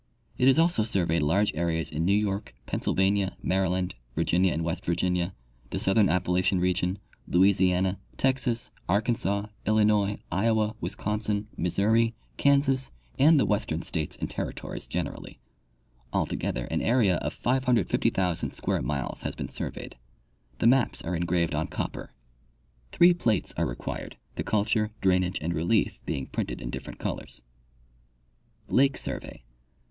It has also surveyed large areas in New York, Pennsylvania, Mary land, Virginia and West Virginia, the southern Appalachian region, Louisiana, Texas, Arkansas, Illinois, Iowa, Wisconsin, Missouri, Kansas, and the western states and territories gen erally. Altogether an area of 550,000 square miles has been surveyed. The maps are engraved on copper. Three plates 104 Henry Gannett — Mother Maps of the United States. are required, the culture, drainage and relief being printed in different colors. Lake Survey.